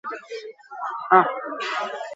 Lehen zatian etengabe erasoan aritu dira bi taldeak.